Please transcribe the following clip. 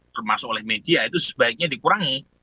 termasuk oleh media itu sebaiknya dikurangi